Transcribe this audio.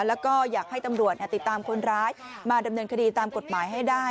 แล้วก็อยากให้ตำรวจติดตามคนร้ายมาดำเนินคดีตามกฎหมายให้ได้